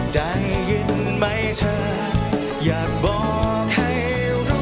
ได้ยินไหมเธออยากบอกให้รู้